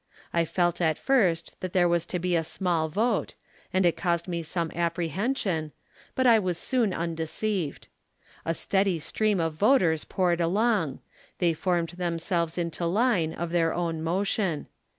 I felt at first that there was to be a small vote, and it caused me some apprehension, but I was soon undeceived. A steady stream of voters poured along ; they formed themselves into line of their own motion.